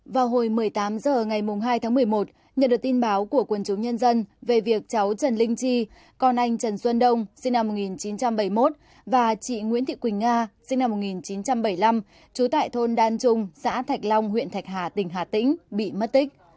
vào hồi một mươi tám h ngày hai tháng một mươi một nhận được tin báo của quân chúng nhân dân về việc cháu trần linh chi con anh trần xuân đông sinh năm một nghìn chín trăm bảy mươi một và chị nguyễn thị quỳnh nga sinh năm một nghìn chín trăm bảy mươi năm trú tại thôn đan trung xã thạch long huyện thạch hà tỉnh hà tĩnh bị mất tích